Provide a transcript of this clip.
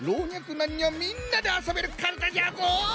なんにょみんなであそべるかるたじゃぞ！